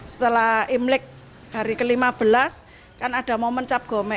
setelah imlek hari ke lima belas kan ada momen cap gome